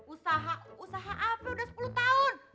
usaha usaha abro udah sepuluh tahun